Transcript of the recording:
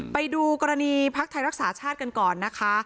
ไปดูกรณีพักไทยรักษาชาติกันก่อนนะคะ